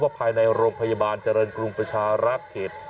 ภายในโรงพยาบาลเจริญกรุงประชารักษ์เขต